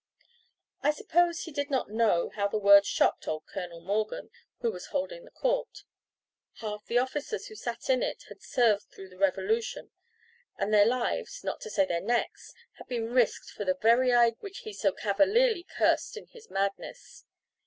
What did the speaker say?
I suppose he did not know how the words shocked old Colonel Morgan, who was holding the court. Half the officers who sat in it had served through the Revolution, and their lives, not to say their necks, had been risked for the very idea which he so cavalierly cursed in his madness.